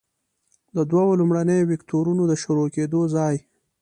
د دوو لومړنیو وکتورونو د شروع کیدو ځای.